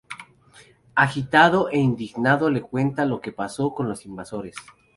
Agitado e indignado le cuenta lo que pasó con los invasores.